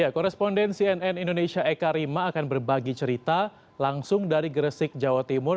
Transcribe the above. koresponden cnn indonesia eka rima akan berbagi cerita langsung dari gresik jawa timur